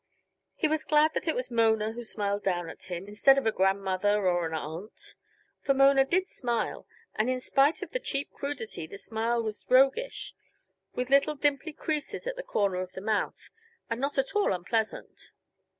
He was glad that it was Mona who smiled down at him instead of a grand mother or an aunt. For Mona did smile, and in spite of the cheap crudity the smile was roguish, with little dimply creases at the corners of the mouth, and not at all unpleasant.